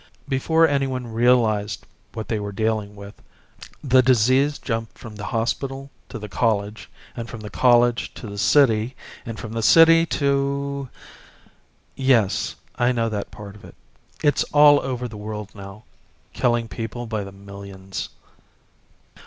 Before anyone realized what they were dealing with, the disease jumped from the hospital to the college, and from the college to the city, and from the city to " "Yes, I know that part of it. It's all over the world now killing people by the millions."